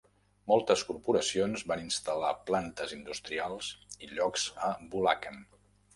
Moltes corporacions van instal·lar plantes industrials i llocs a Bulacan.